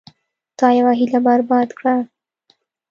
تا یوه هیله برباد کړه.